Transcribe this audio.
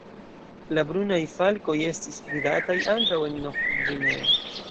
La Brunaj falkoj estis vidataj ankaŭ en Nov-Gvineo.